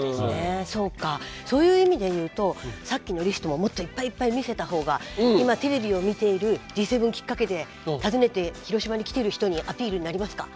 そうかそういう意味で言うとさっきのリストももっといっぱいいっぱい見せた方が今テレビを見ているＧ７きっかけで訪ねて広島に来ている人にアピールになりますか。